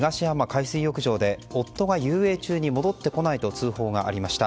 海水浴場で夫が遊泳中に戻ってこないと通報がありました。